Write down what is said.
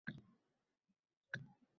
Negaligini aytaymi? Qarang.